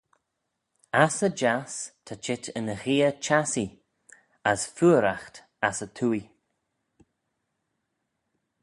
"Ass y jiass ta cheet yn gheay-chassee; as feayraght ass y twoaie."